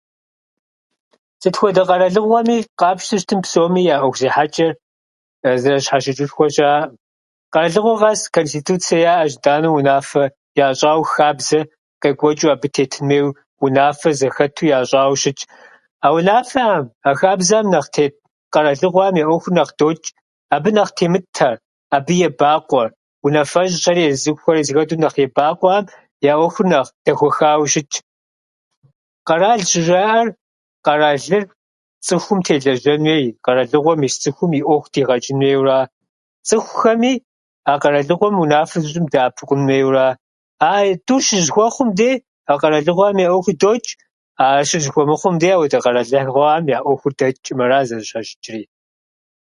Сыт хуэдэ къэралыгъуэми, къапщтэу щытым, псоми я ӏуэху зехьэчӏэр зэрызыщхьэщычӏышхуэ щааӏым. Къэралыгъуэ къэс конституцэ яӏэщ итӏанэ унафэ ящӏауэ, хабзэ къекӏуэчӏу, абы тетын хуейуэ унафэ зэхэту ящӏауэ щытщ. А унафэхьэм, а хабзэхьэм нэхъ тет къэралыгъуэхьэм я ӏуэхур нэхъ дочӏ. Абы нэхъ темытхьэр, абы ебакъуэр, унафэщӏхьэри езы цӏыхухьэри зэхэту нэхъ ебакъуэхьэм, я ӏуэхур нэхъ дэхуэхауэ щытщ. Къэрал щӏыжаӏар, къэралыр цӏыхум телэжьэн хуей, къэралыгъуэм ис цӏыхум и ӏуэху дигъэчӏын хуейуэра. Цӏыхухэми, а къэралыгъуэм унафэ зыщӏым дэӏэпыкъун хуейуэра. А тӏур щызыхуэхъум дей, а къэралыгъуэхьэм я ӏуэхур дочӏ. Ар щызыхуэмыхъум дей, апхуэдэ къэралыгъуэхьэм я ӏуэхур дэчӏӏым. Ара зэрызыщхьэщычӏри.